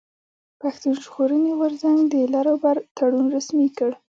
پښتون ژغورني غورځنګ د لر او بر تړون رسمي کړ.